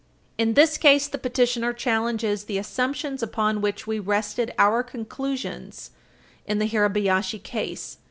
In this case, the petitioner challenges the assumptions upon which we rested our conclusions in the Hirabayashi case.